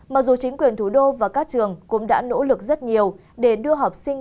mặc dù chính quyền thủ đô và các trường cũng đã nỗ lực rất nhiều để đưa học sinh